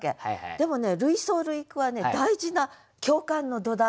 でもね類想類句はね大事な共感の土台。